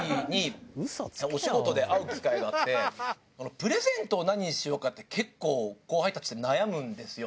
プレゼントを何にしようかって結構後輩たちって悩むんですよ。